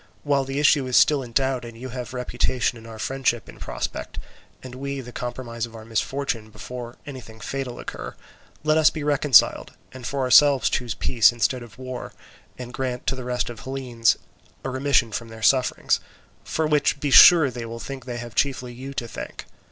While the issue is still in doubt, and you have reputation and our friendship in prospect, and we the compromise of our misfortune before anything fatal occur, let us be reconciled, and for ourselves choose peace instead of war, and grant to the rest of the Hellenes a remission from their sufferings, for which be sure they will think they have chiefly you to thank.